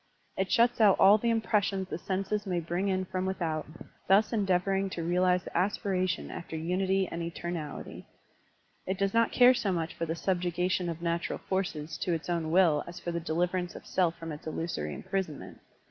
It shuts out all the impressions the senses may bring in from with out, thus endeavoring to realize the aspiration after unity and etemality. It does not care so much for the subjugation of natural forces to its own will as for the deliverance of self from its illusory imprisonment.